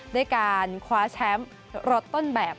ด้วยการคว้าแชมป์รถต้นแบบ